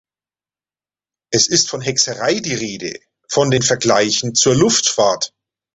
Es ist von Hexerei die Rede, von den Vergleichen zur Luftfahrt.